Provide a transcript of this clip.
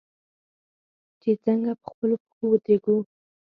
چې څنګه په خپلو پښو ودریږو.